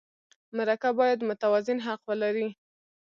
مرکه باید متوازن حق ولري.